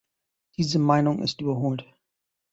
Diese Meinung ist überholt.